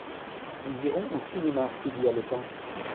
nous irons au cinéma s'il y a le temps.